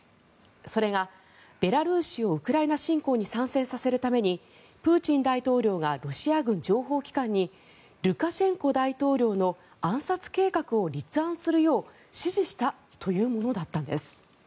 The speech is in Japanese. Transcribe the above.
それが、ベラルーシをウクライナ侵攻に参戦させるためにプーチン大統領がロシア軍情報機関にルカシェンコ大統領の暗殺計画を立案するよう指示したというものだったんです。